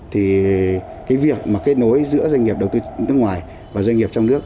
thì cái việc mà kết nối giữa doanh nghiệp đầu tư nước ngoài và doanh nghiệp trong nước